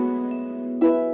ibu kacang kecambar